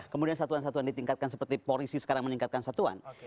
kemudian satuan satuan ditingkatkan seperti polisi sekarang meningkatkan satuan